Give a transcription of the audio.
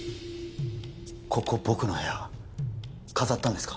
ここ僕の部屋飾ったんですか？